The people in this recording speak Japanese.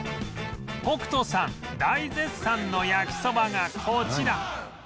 北斗さん大絶賛の焼きそばがこちら